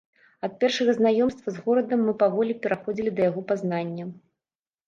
Ад першага знаёмства з горадам мы паволі пераходзілі да яго пазнання.